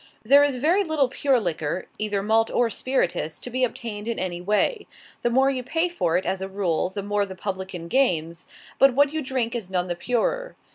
There is very little pure liquor, either malt or spirituous, to be obtained in any way. The more you pay for it, as a rule, the more the publican gains, but what you drink is none the purer.